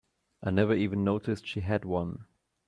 I never even noticed she had one.